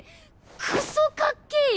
クソかっけぇよ！